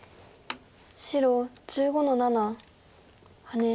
白１５の七ハネ。